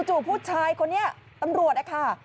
จู่ผู้ชายคนนี้ตำรวจนะคะ